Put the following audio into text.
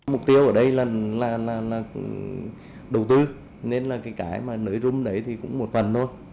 mục tiêu ở đây là đầu tư nên cái nới rung đấy cũng một phần thôi